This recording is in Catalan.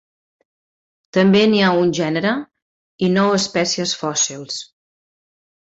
També n'hi ha un gènere i nou espècies fòssils.